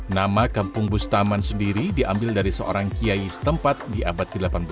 nama kampung bustaman sendiri diambil dari seorang kiai setempat di abad ke delapan belas